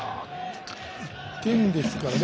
１点ですからね